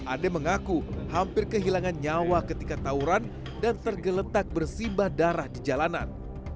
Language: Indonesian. ade mengaku hampir kehilangan nyawa ketika tauran dan tergeletak bersimbah darah di jalanan